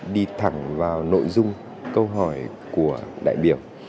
đi thẳng vào nội dung câu hỏi của đại biểu